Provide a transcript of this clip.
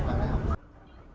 theo các nhân viên của công cộng